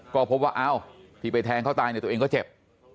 ก็พบว่าอ้าวที่ไปแทงเขาตายเนี่ยตัวเองก็เจ็บ